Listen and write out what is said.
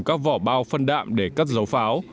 các vỏ bao phân đạm để cất dấu pháo